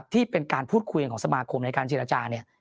ที่เป็นการพูดคุยของสมาคมในการจีนจา